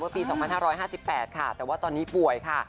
ปี๒๕๕๘ค่ะแต่ว่าตอนนี้ป่วยค่ะ